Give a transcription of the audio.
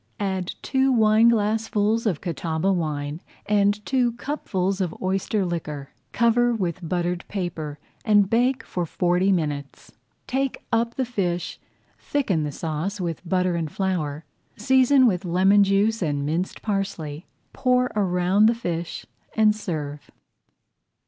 Add two wineglassfuls [Page 95] of Catawba wine and two cupfuls of oyster liquor. Cover with buttered paper and bake for forty minutes. Take up the fish, thicken the sauce with butter and flour, season with lemon juice and minced parsley, pour around the fish, and serve.